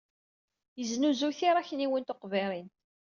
Yesnuzuy tiṛakniwin tiqburin.